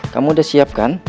kamu udah siap kan